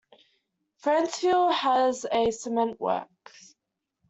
Franceville has a cement works.